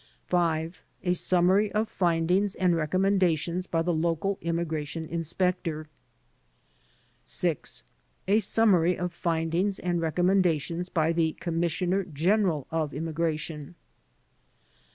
5. A summary of findings and recommendations by the local Immigration Inspector. 6. A summaiy of findings and recommendations by the Com missioner General of Immigration.